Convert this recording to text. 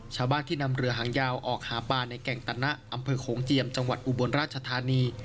ชาวบ้านที่นำเรือหางยาวออกหาปลาในแก่งตะนะอำเภอโขงเจียมจังหวัดอุบลราชธานี